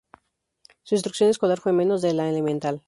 Su instrucción escolar fue menos de la elemental.